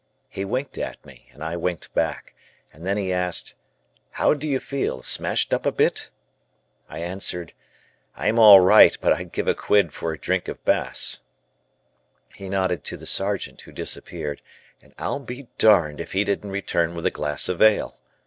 He winked at me and I winked back, and then he asked, "How do you feel, smashed up a bit?" I answered: "I'm all right, but I'd give a quid for a drink of Bass." He nodded to the Sergeant who disappeared, and I'll be darned if he didn't return with a glass of ale.